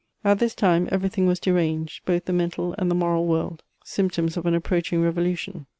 At this time every thing was deranged, both the mental and the moral world, — symptoms of an approaching revolution.